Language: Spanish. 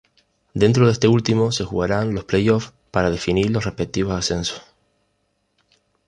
Dentro de este último se jugaran los play off para definir los respectivos ascensos..